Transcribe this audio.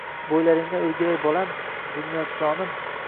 Boʻylaringdan oʻrgilay bolam, Bunyodjonim